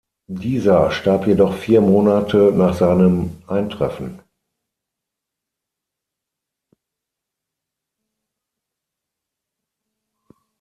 Dieser starb jedoch vier Monate nach seinem Eintreffen.